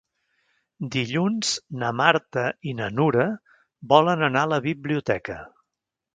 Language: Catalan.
Dilluns na Marta i na Nura volen anar a la biblioteca.